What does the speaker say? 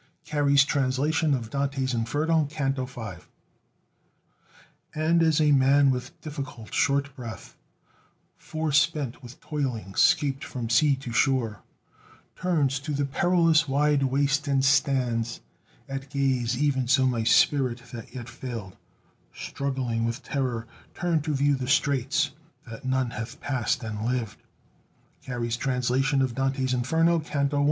(Carey's translation of Dante's Inferno, Canto V.) And as a man with difficult short breath Forespent with toiling, 'scaped from sea to shore, Turns to the perilous wide waste, and stands At gaze; e'en so my spirit, that yet fail'd Struggling with terror, turn'd to view the straits That none hath passed and lived. (Carey's translation of Dante's Inferno, Canto I.)